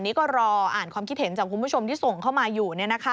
นี่ก็รออ่านความคิดเห็นจากคุณผู้ชมที่ส่งเข้ามาอยู่